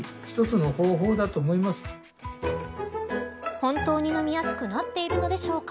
本当に、飲みやすくなっているのでしょうか。